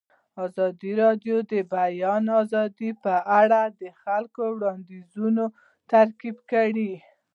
ازادي راډیو د د بیان آزادي په اړه د خلکو وړاندیزونه ترتیب کړي.